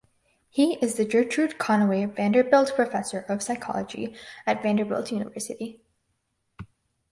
He is the Gertrude Conaway Vanderbilt Professor of Psychology at Vanderbilt University.